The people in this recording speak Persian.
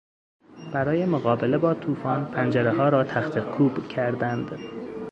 برای مقابله با طوفان پنجرهها را تختهکوب کردند.